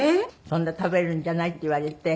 「そんな食べるんじゃない」って言われて。